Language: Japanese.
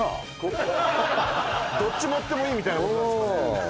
どっち持ってもいいみたいなことなんですかね。